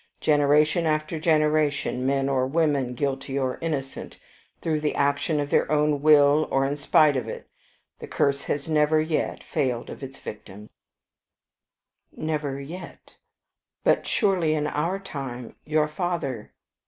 Generation after generation, men or women, guilty or innocent, through the action of their own will or in spite of it, the curse has never yet failed of its victims." "Never yet? But surely in our own time your father?"